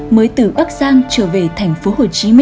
mới từ bắc giang trở về tp hcm